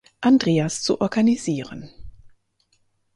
Andreas zu organisieren.